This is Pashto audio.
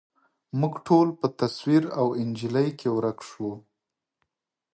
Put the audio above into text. موږ ټول په تصویر او انجلۍ کي ورک شوو